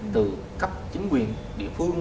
từ cấp chính quyền địa phương